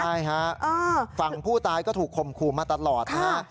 ใช่ฮะฝั่งผู้ตายก็ถูกข่มขู่มาตลอดนะฮะ